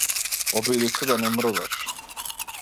Обиди се да не мрдаш.